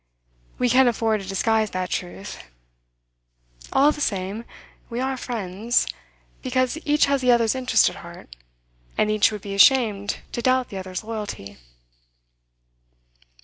We can't afford to disguise that truth. All the same, we are friends, because each has the other's interest at heart, and each would be ashamed to doubt the other's loyalty.